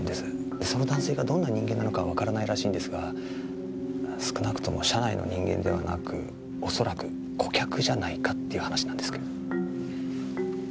その男性がどんな人間なのかはわからないらしいんですが少なくとも社内の人間ではなく恐らく顧客じゃないかっていう話なんですけど。